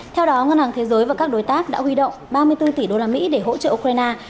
theo đó ngân hàng thế giới và các đối tác đã huy động ba mươi bốn tỷ usd để hỗ trợ ukraine